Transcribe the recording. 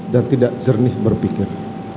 dan tidak jernih berpikir